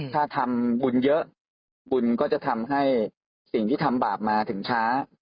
ถ้าทำบุญเยอะบุญก็จะทำให้สิ่งที่ทำบาปมาถึงช้า